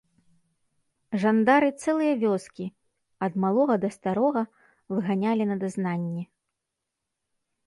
Жандары цэлыя вёскі, ад малога да старога, выганялі на дазнанне.